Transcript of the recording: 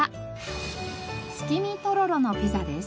月見とろろのピザです。